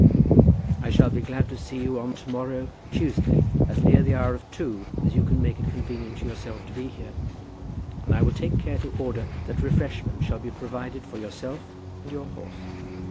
I shall be glad to see you on to morrow, Tuesday, as near the hour of two as you can make it convenient to yourself to be here, and I will take care to order that refreshment shall be provided for yourself and your horse.